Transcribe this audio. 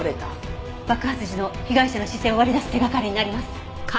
爆発時の被害者の姿勢を割り出す手掛かりになります。